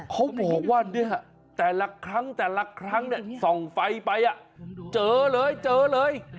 เขาบอกว่าเนี่ยแต่ละครั้งส่องไฟไปเจอเลยเจอเลย